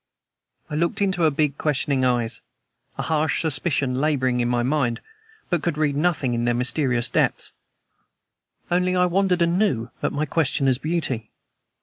I looked into her big, questioning eyes, a harsh suspicion laboring in my mind, but could read nothing in their mysterious depths only I wondered anew at my questioner's beauty.